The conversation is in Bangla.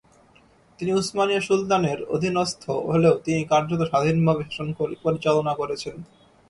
তিনি উসমানীয় সুলতানের অধীনস্থ হলেও তিনি কার্যত স্বাধীনভাবে শাসন পরিচালনা করেছেন।